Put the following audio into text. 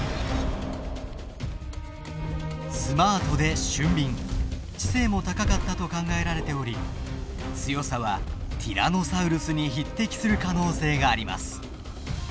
スマートで俊敏知性も高かったと考えられており強さはティラノサウルスに匹敵する可能性があります。